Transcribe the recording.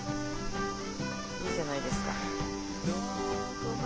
いいじゃないですか。